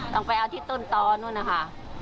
ต้องไปเอาที่ต้นตอนนู้นนะคะ